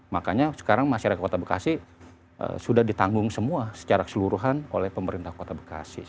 makanya sekarang masyarakat kota bekasi sudah ditanggung semua secara keseluruhan oleh pemerintah kota bekasi